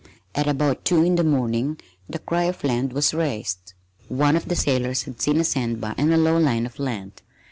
At about two in the morning the cry of land was raised. One of the sailors had seen a sandbar and a low line of land.